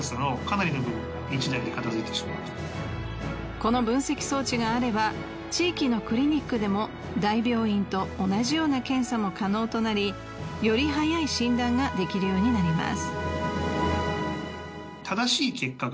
この分析装置があれば地域のクリニックでも大病院と同じような検査も可能となりより早い診断ができるようになります。